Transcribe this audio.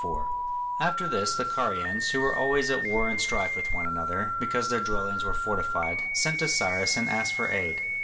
[C.4] After this the Carians, who were always at war and strife with one another, because their dwellings were fortified, sent to Cyrus and asked for aid.